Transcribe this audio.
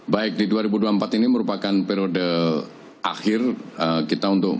baik di dua ribu dua puluh empat ini merupakan periode akhir kita untuk